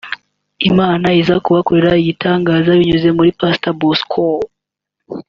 Imana iza kubakorera igitangaza binyuze muri Pastor Bosco